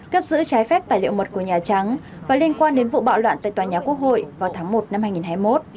cất giữ trái phép tài liệu mật của nhà trắng và liên quan đến vụ bạo loạn tại tòa nhà quốc hội vào tháng một năm hai nghìn hai mươi một